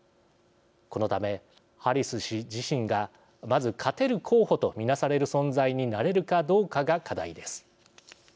このため、ハリス氏自身がまず勝てる候補と見なされる存在になれるかどうかが課題です。